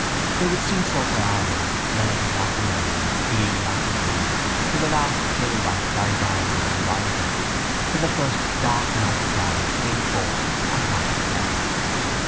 They would sing so for hours, melody after melody, glee after glee, till the last pale light died down on the horizon, till the first dark nightclouds came forth and night fell.